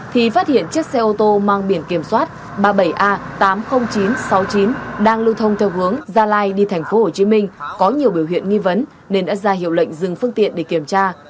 thì phát hiện chiếc xe ô tô mang biển kiểm soát ba mươi bảy a tám mươi nghìn chín trăm sáu mươi chín đang lưu thông theo hướng gia lai đi tp hcm có nhiều biểu hiện nghi vấn nên đã ra hiệu lệnh dừng phương tiện để kiểm tra